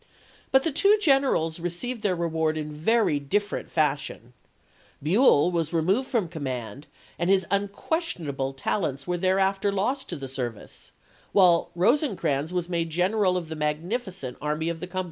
But the two generals received their re General •^® Orders 168, ward in very different fashion ; Buell was removed p^t^?nt, from command and his unquestionable talents were oct24f?862. thereafter lost to the service; while Rosecrans was vol'xvi., made general of the magnificent Army of the Cum pp.